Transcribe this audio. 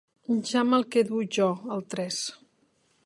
Ja me'l quedo jo, el tres.